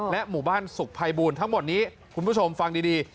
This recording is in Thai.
หมู่บ้านสุขภัยบูรณ์ทั้งหมดนี้คุณผู้ชมฟังดี